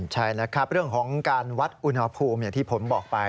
ใช่นะครับเรื่องของการวัดอุณหภูมิอย่างที่ผมบอกไป